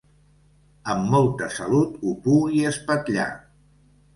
Amb molta salut ho pugui espatllar.